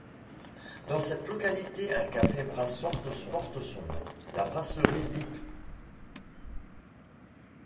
Dans cette localité un café brasserie porte son nom, la Brasserie Lippe.